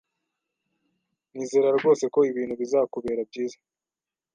Nizera rwose ko ibintu bizakubera byiza.